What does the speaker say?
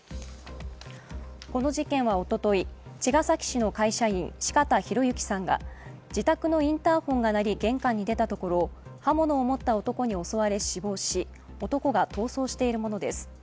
この事件はおととい、茅ヶ崎市の会社員・四方洋行さんが自宅のインターフォンが鳴り玄関に出たところ刃物を持った男に襲われ死亡し、男が逃走しているものです。